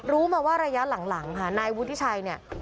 รู้มาว่าระยะหลังค่ะนายวุฒิชัยเนี่ย